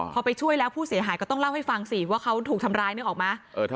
พอไปช่วยแล้วผู้เสียหายก็ต้องเล่าให้ฟังสิว่าเขาถูกทำร้ายนึกออกไหม